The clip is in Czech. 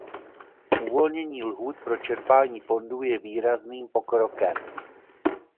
Uvolnění lhůt pro čerpání fondů je výrazným pokrokem.